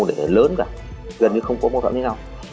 để lớn cả gần như không có mâu thuẫn với nhau